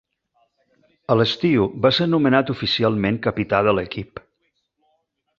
A l'estiu, va ser nomenat oficialment capità de l'equip.